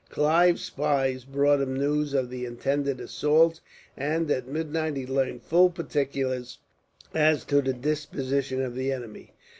Clive's spies brought him news of the intended assault, and at midnight he learned full particulars as to the disposition of the enemy.